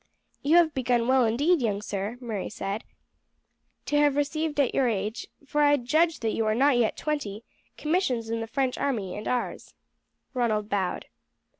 "You have begun well, indeed, young sir," Murray said, "to have received at your age, for I judge that you are not yet twenty, commissions in the French army and ours." Ronald bowed.